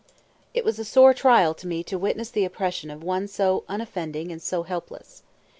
It was a sore trial to me to witness the oppression of one so unoffending and so helpless.